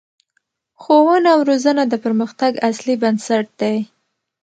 ښوونه او روزنه د پرمختګ اصلي بنسټ دی